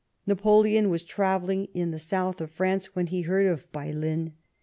Napoleon was travellino^ in the south of France when he heard of Baylen.